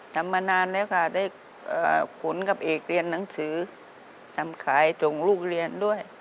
ทำมานานแล้วค่ะได้ขุนกับเอกเรียนหนังสือทำขายส่งลูกเรียนด้วย